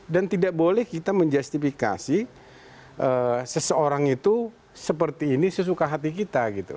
dan tidak boleh kita menjustifikasi seseorang itu seperti ini sesuka hati kita